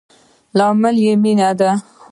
لامل يي مينه ده